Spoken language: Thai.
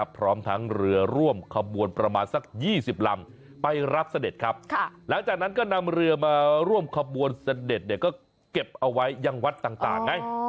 เพราะฉะนั้นก็นำเรือมาร่วมขบวนเสด็จเนี่ยก็เก็บเอาไว้ยังวัดต่างไง